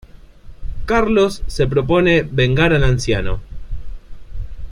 Carlos se propone vengar al anciano.